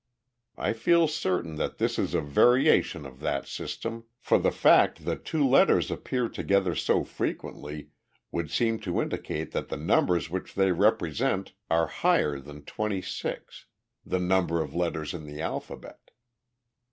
I feel certain that this is a variation of that system, for the fact that two letters appear together so frequently would seem to indicate that the numbers which they represent are higher than twenty six, the number of the letters in the alphabet."